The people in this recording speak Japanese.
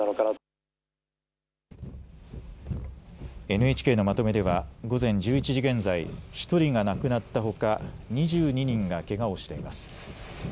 ＮＨＫのまとめでは午前１１時現在１人が亡くなったほか２２人がけがをしています。